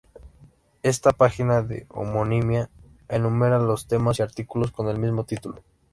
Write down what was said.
Esta página de homonimia enumera los temas y artículos con el mismo título.